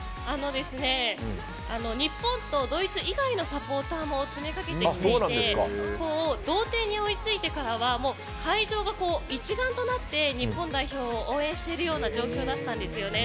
日本とドイツ以外のサポーターも詰めかけて来ていて同点に追いついてからは会場が一丸となって日本代表を応援しているような状況だったんですよね。